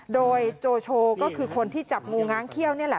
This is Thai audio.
โดยโจโชก็คือคนที่จับงูง้างเขี้ยวนี่แหละ